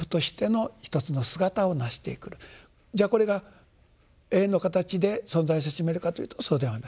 じゃあこれが永遠の形で存在せしめるかというとそうではない。